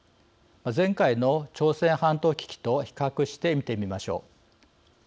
前回の朝鮮半島危機と比較して見てみましょう。